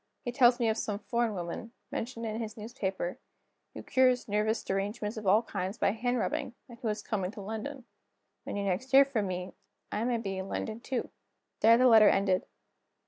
He tells me of some foreign woman, mentioned in his newspaper, who cures nervous derangements of all kinds by hand rubbing, and who is coming to London. When you next hear from me, I may be in London too." There the letter ended.